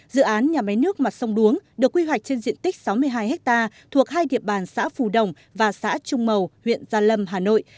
dự án nhà máy nước mặt sông đuống được quy hoạch trên diện tích sáu mươi hai hectare thuộc hai địa bàn xã phù đồng và xã trung mầu huyện gia lâm hà nội